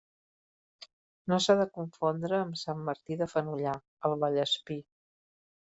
No s'ha de confondre amb Sant Martí de Fenollar, al Vallespir.